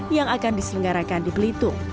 yang akan diselenggarakan di belitung